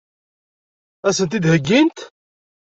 Ad sen-t-id-heggint?